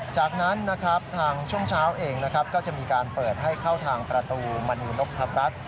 จากนั้นทางช่วงเช้าเองก็จะมีการเปิดให้เข้าทางประตูมณีนบภรรรษ